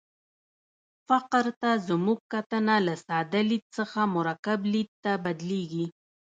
فقر ته زموږ کتنه له ساده لید څخه مرکب لید ته بدلېږي.